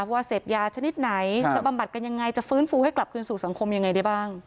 ว่าเสพยาชนิดไหนจะบำบัดกันยังไงจะฟื้นฟูให้กลับคืนสู่สังคมยังไงได้บ้าง